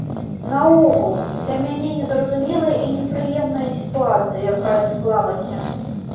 Наогул, для мяне незразумелая і непрыемная сітуацыя, якая склалася.